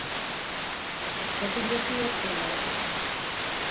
Sakıncası yoktur umarım.